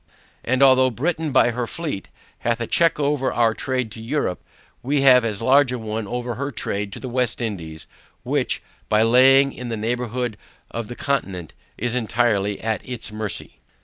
And although Britain by her fleet, hath a check over our trade to Europe, we have as large a one over her trade to the West Indies, which, by laying in the neighbourhood of the Continent, is entirely at its mercy.